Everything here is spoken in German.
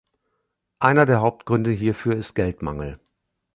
Einer der Hauptgründe hierfür ist Geldmangel.